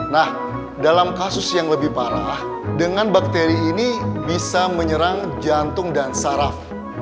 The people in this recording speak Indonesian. nah dalam kasus yang lebih parah dengan bakteri ini bisa menyerang jantung dan saraf